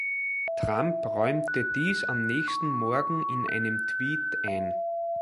Trump räumte dies am nächsten Morgen in einem Tweet ein.